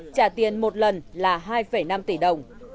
trả tiền một lần là hai năm tỷ đồng